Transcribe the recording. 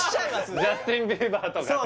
ジャスティン・ビーバーとかね